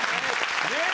ねえ！